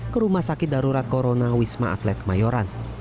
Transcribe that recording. ke rumah sakit darurat corona wisma atlet kemayoran